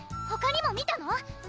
ほかにも見たの？